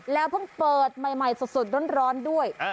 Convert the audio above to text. แล้วเพิ่งเปิดใหม่สดร้อนด้วย